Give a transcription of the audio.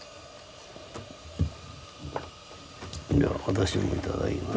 では私もいただきます。